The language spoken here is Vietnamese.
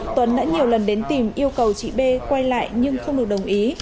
tuấn đã nhiều lần đến tìm yêu cầu chị b quay lại nhưng không được đồng ý